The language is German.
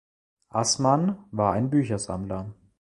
Assmann war ein Büchersammler.